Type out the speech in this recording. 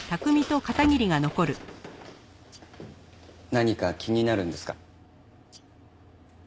何か気になるんですか？